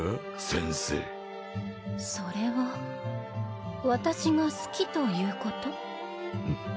先生それは私が好きということ？